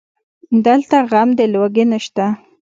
دلته غم د لوږې نشته